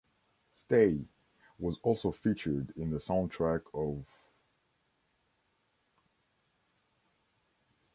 "Stay" was also featured in the soundtrack of ".".